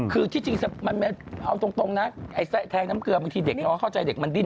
คือที่จริงเอาตรงนะไอ้แทงน้ำเกลือบางทีเด็กเราก็เข้าใจเด็กมันดิ้น